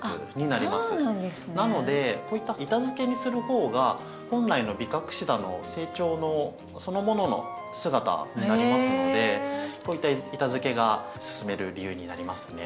なのでこういった板づけにする方が本来のビカクシダの成長のそのものの姿になりますのでこういった板づけがすすめる理由になりますね。